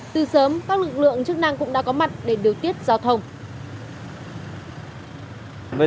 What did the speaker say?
từ sớm các lực lượng chức năng cũng đã có mặt để điều tiết giao thông